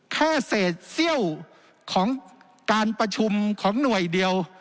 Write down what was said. แค่เศษเซี่ยวของการประชุมของหน่วยเดียว